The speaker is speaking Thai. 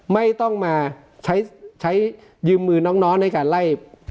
ไม่ต้องยืมมือน้อนให้การไล่